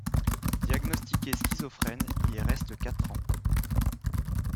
Diagnostiqué schizophrène, il y reste quatre ans.